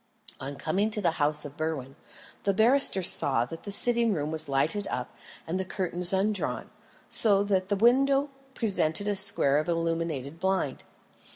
On coming to the house of Berwin, the barrister saw that the sitting room was lighted up and the curtains undrawn, so that the window presented a square of illuminated blind.